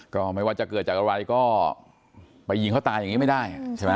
ก็ไม่ว่าจะเกิดจากอะไรก็ไปยิงเขาตายอย่างนี้ไม่ได้ใช่ไหม